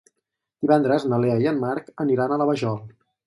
Divendres na Lea i en Marc aniran a la Vajol.